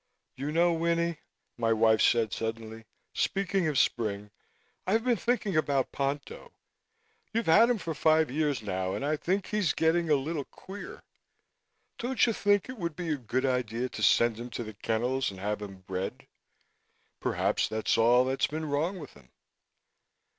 "You know, Winnie," my wife said suddenly, "speaking of spring, I've been thinking about Ponto. You've had him for five years now and I think he's getting a little queer. Don't you think it would be a good idea to send him to the kennels and have him bred? Perhaps that's all that's been wrong with him."